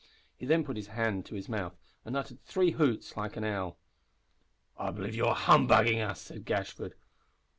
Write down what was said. He then put his hand to his mouth and uttered three hoots like an owl. "I believe you are humbugging us," said Gashford.